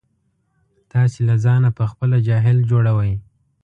تاسې له ځانه په خپله جاهل جوړوئ.